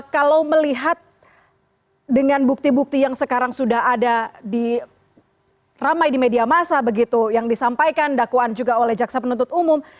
kalau melihat dengan bukti bukti yang sekarang sudah ada ramai di media masa begitu yang disampaikan dakwaan juga oleh jaksa penuntut umum